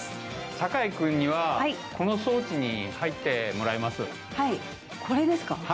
酒井君には、この装置に入っはい、これですか？